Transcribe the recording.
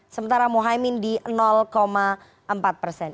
sementara mohaimin di empat persen